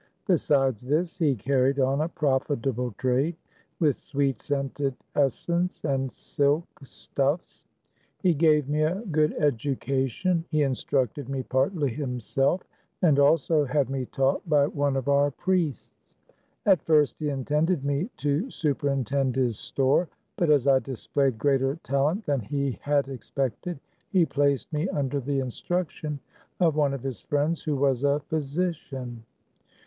Besides this, he carried on a profitable trade with sweet scented essence, and silk stuffs. He gave me a good education. He instructed me partly himself, and also had me taught by one of our priests. At first he intended me to super intend his store ; but as I displayed greater talent than he had expected, he placed me under the instruction of one of his friends, who was a physician.